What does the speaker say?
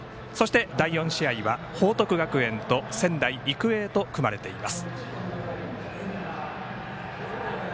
第４試合は報徳学園と仙台育英と組まれています。